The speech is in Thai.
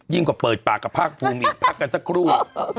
ยิ่งกว่าเปิดปากก็พักพรุ่งอีกพักกันสักครู่